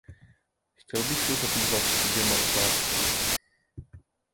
Chtěl bych se zabývat dvěma otázkami.